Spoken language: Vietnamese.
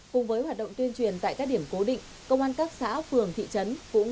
cùng với hoạt động tuyên truyền tại các điểm cố định công an các xã phường thị trấn cũng